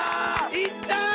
いったー！